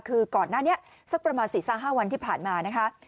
คือก่อนหน้านี้สักประมาณ๔๕วันที่ผ่านมานะคะ